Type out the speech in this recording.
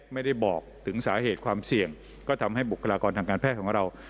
ไม่ได้บอกถึงสาเหตุความเสี่ยงก็ทำให้บุคลากรทางการแพทย์ของเรา